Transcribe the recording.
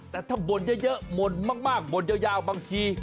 แต่ถ้าบ่นเยอะบ่นมากบ่นยาวบางที